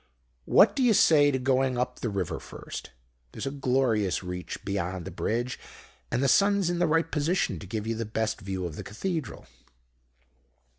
What do you say to going up the river first? There's a glorious reach beyond the bridge. And the sun's in the right position to give you the best view of the Cathedral.'